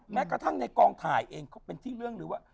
แม้กระทั่งในกองถ่ายเองก็เป็นที่เรื่องหรือว่า